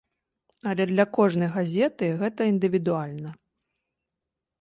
Але для кожнай газеты гэта індывідуальна.